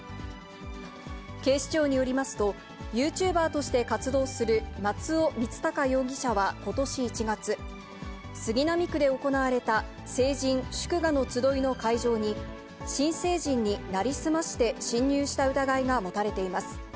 警視庁によりますと、ユーチューバーとして活動する松尾光高容疑者はことし１月、杉並区で行われた成人祝賀のつどいの会場に、新成人に成り済まして侵入した疑いが持たれています。